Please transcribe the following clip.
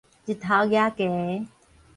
日頭夯枷